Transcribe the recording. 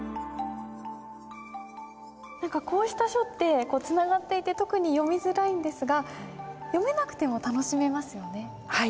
こうした書ってつながっていて特に読みづらいんですが読めなくても楽しめますよね。